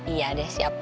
iya deh siap